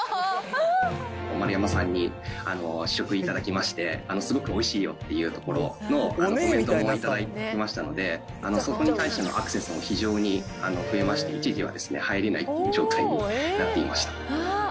丸山さんに試食いただきまして、すごくおいしいよっていうところのコメントも頂きましたので、そこに関してのアクセスも非常に増えまして、一時は入れない状態になっていました。